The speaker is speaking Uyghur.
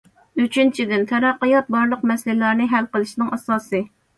ئۈچىنچىدىن، تەرەققىيات بارلىق مەسىلىلەرنى ھەل قىلىشنىڭ ئاساسى.